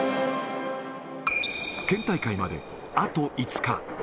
県大会まであと５日。